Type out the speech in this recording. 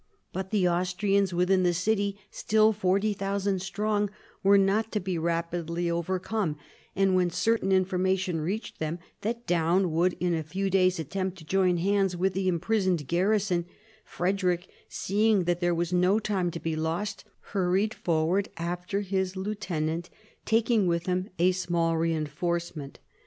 But the Austrians within the city, still 40,000 strong, were not to be rapidly overcome; and when certain information reached him that Daun would in a few days attempt to join hands with the imprisoned garrison, Frederick, seeing that there was no time to be lost, hurried forward after his lieutenant, taking with him a small reinforcement.